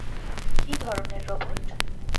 কি ধরনের রোবট?